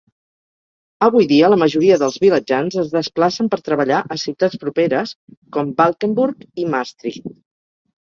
Avui dia, la majoria dels vilatjans es desplacen per treballar a ciutats properes com Valkenburg i Maastricht.